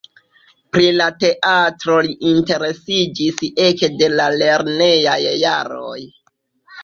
Pri la teatro li interesiĝis ekde la lernejaj jaroj.